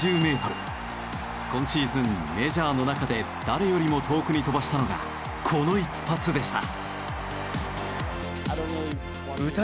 今シーズンメジャーの中で誰よりも遠くに飛ばしたのがこの一発でした。